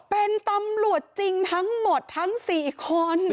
เป็นตำรวจจริงทั้งหมดทั้ง๔คน